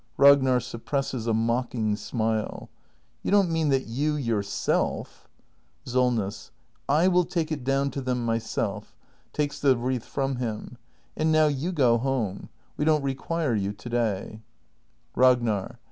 Ragnar. [Suppresses a mocking smile.] You don't mean that you yourself ? Solness. I will take it down to them myself. [Takes the wreath from him.] And now you go home; we don't require you to day. act in] THE MASTER BUILDER 411 Ragnar.